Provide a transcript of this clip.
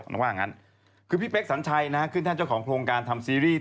หลังว่างั้นพี่เพล็กสัญชัยคือท่านเจ้าของโครงการทำซีรีส์